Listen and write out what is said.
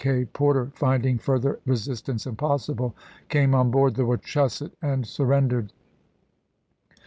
K. Porter, finding further resistance impossible, came on board the Wachusett and sur rendered.